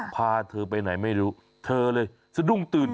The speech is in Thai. พาเธอไปไหนไม่รู้เธอเลยสะดุ้งตื่น